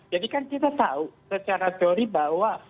jadi kan kita tahu secara teori bahwa